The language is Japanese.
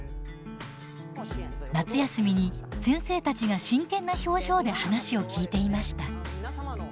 夏休みに先生たちが真剣な表情で話を聞いていました。